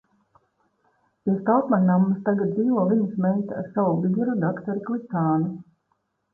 Pie Staltmaņmammas tagad dzīvo viņas meita ar savu vīru dakteri Klišānu.